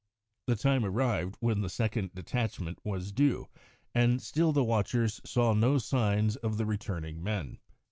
The time arrived when the second detachment was due, and still the watchers saw no signs of the returning men.